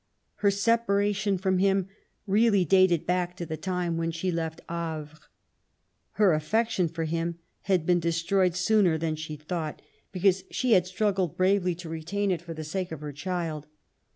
Her separation from him really dated back to the time when she left Havre. Her affection for him had been destroyed sooner than she thought, because she had struggled bravely to retain it for the sake of her child.